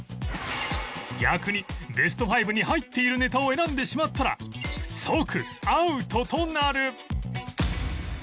逆にベスト５に入っているネタを選んでしまったら即アウトとなる